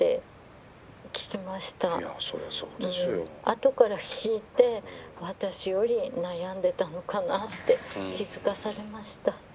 後から聞いて私より悩んでたのかなって気付かされました。